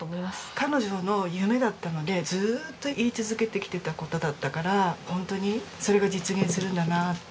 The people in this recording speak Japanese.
彼女の夢だったのでずっと言い続けてきてた事だったからホントにそれが実現するんだなって。